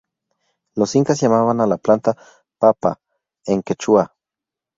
Los incas llamaban a la planta "papa" en quechua.